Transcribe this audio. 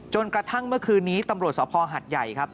จนกระทั่งเมื่อคืนนี้ตำรวจสภาวิทยาลัยครับ